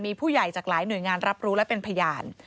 มีผู้ใหญ่จากหลายหน่วยงานรับรู้และเป็นพยาน